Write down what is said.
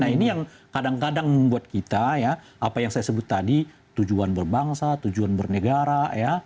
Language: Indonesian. nah ini yang kadang kadang membuat kita ya apa yang saya sebut tadi tujuan berbangsa tujuan bernegara ya